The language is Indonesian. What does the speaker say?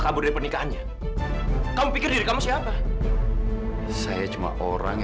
sampai jumpa di video selanjutnya